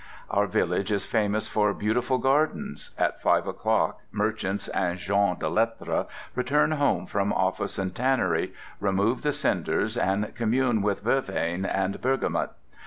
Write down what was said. Our village is famous for beautiful gardens. At five o'clock merchants and gens de lettres return home from office and tannery, remove the cinders, and commune with vervain and bergamot.